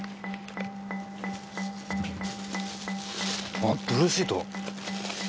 あっブルーシート。